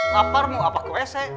lapar mau apa ke wc